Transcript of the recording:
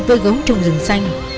với gấu trong rừng xanh